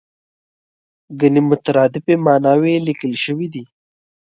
ګڼې مترادفې ماناوې یې لیکل شوې دي.